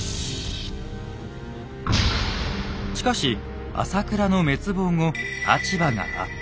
しかし朝倉の滅亡後立場が悪化。